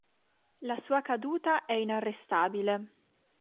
La sua caduta è inarrestabile.